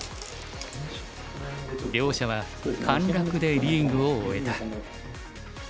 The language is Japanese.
両者は陥落でリーグを終えた。